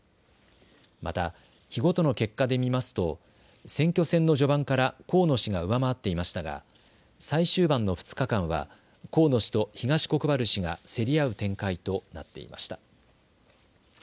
また日ごとの結果で見ますと選挙戦の序盤から河野氏が上回っていましたが最終盤の２日間は河野氏と東国原氏が競り合う展開となっていました。